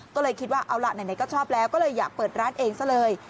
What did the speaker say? ก็เลยคิดว่าเอาล่ะไหนก็ชอบแล้วก็เลยอยากเปิดร้านเองซะเลย